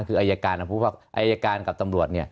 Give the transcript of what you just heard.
คืออัยการนะครับพูดว่าอัยการกับตำรวจเนี่ย